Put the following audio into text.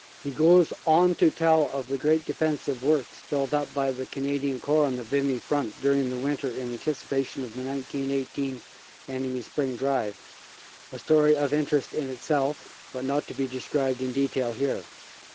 He goes on to tell of the great defensive works built up by the Canadian Corps on the Vimy front during the winter in anticipation of the 1918 enemy spring drive, a story of interest 8 CANADA S HUNDRED DAYS in itself, but not to be described in detail here.